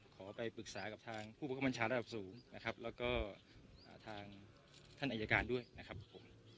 ขอไปปรึกษากับทางผู้บังคับบัญชาระดับสูงนะครับแล้วก็ทางท่านอายการด้วยนะครับผม